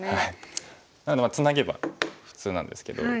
ツナげば普通なんですけど。